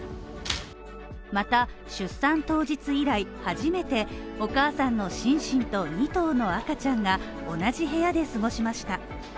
また出産当日以来、初めてお母さんのシンシンと２頭の赤ちゃんが同じ部屋で過ごしました。